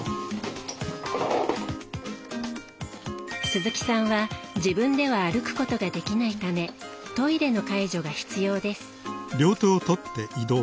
鈴木さんは自分では歩くことができないためトイレの介助が必要です。